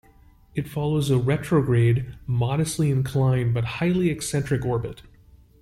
It follows a retrograde, modestly inclined but highly eccentric orbit.